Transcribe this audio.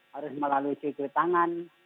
harus melalui cuci tangan